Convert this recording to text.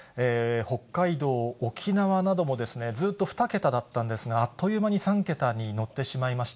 北海道、沖縄なども、ずっと２桁だったんですが、あっという間に３桁に乗ってしまいました。